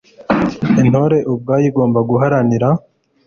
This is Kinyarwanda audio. intore ubwayo igomba guharanira